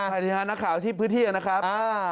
ไทยที่ฮานักข่าวที่พืชเที่ยงนะครับ